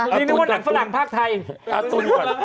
นี่ไม่ต้องอนาคตฝรั่งภาคไทย